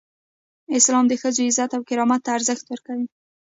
اسلام د ښځو عزت او کرامت ته ارزښت ورکوي.